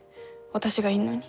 私がいんのに。